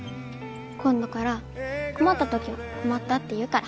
今度から困った時は困ったって言うから。